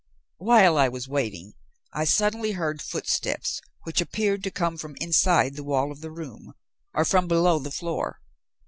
"While I was waiting, I suddenly heard footsteps which appeared to come from inside the wall of the room, or from below the floor.